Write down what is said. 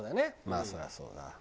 まあそりゃそうだ。